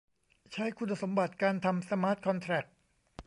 ใช้คุณสมบัติการทำสมาร์ทคอนแทร็ก